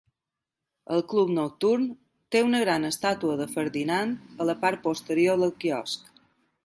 El club nocturn té una gran estàtua de Ferdinand a la part posterior del quiosc.